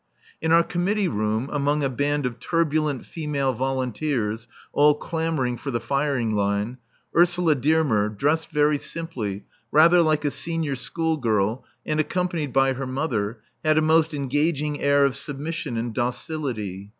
In our committee room, among a band of turbulent female volunteers, all clamouring for the firing line, Ursula Dearmer, dressed very simply, rather like a senior school girl, and accompanied by her mother, had a most engaging air of submission and docility.